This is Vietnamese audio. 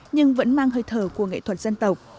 nhưng vẫn mang hơi thở của nghệ thuật dân tộc